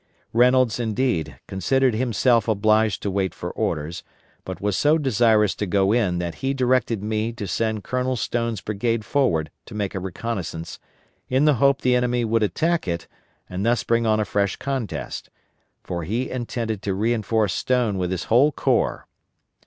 Reynolds, indeed, considered himself obliged to wait for orders, but was so desirous to go in that he directed me to send Colonel Stone's brigade forward to make a reconnoissance, in the hope the enemy would attack it and thus bring on a fresh contest; for he intended to reinforce Stone with his whole corps.